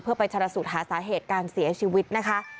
เพื่อไปชนะสูตรหาสาเหตุการเสียชีวิตนะคะ